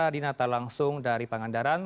dinata langsung dari pangandaran